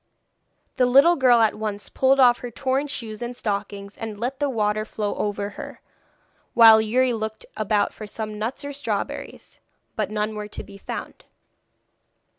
The little girl at once pulled off her torn shoes and stockings and let the water flow over her, while Youri looked about for some nuts or strawberries. But none were to be found.